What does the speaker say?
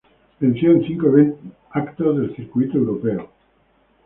Venció en cinco eventos del circuito europeo.